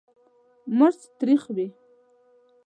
مرچ تریخ وي.